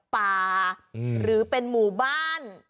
พี่พินโย